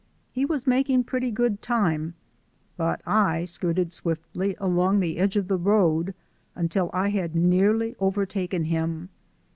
He was making pretty good time, but I skirted swiftly along the edge of the road until I had nearly overtaken him.